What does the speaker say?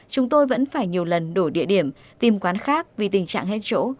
chúng tôi vẫn phải nhiều lần đổi địa điểm tìm quán khác vì tình trạng hết chỗ